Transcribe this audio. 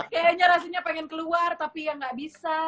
kayaknya rasanya pengen keluar tapi ya nggak bisa